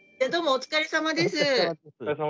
「お疲れさまです」。